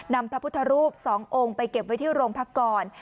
นำพระพุทธรูปสององค์ไปเก็บในโรงพกร